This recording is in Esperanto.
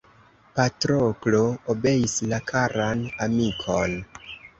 Patroklo obeis la karan amikon.